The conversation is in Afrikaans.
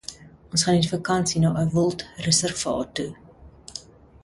Ons gaan in die vakansie na 'n wildreservaat toe.